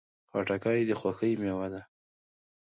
خټکی د خوښۍ میوه ده.